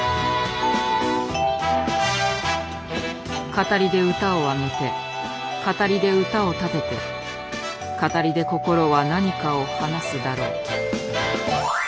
語りで歌を上げて語りで歌を立てて語りで心は何かを話すだろう。